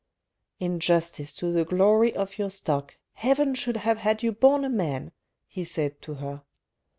" In justice to the glory of your stock, Heaven should have had you born a man," he said to her.